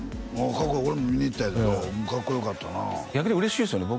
これこれ俺も見に行ったよかっこよかったな逆に嬉しいですよね